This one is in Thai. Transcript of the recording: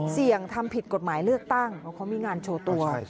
ทำผิดกฎหมายเลือกตั้งเพราะเขามีงานโชว์ตัว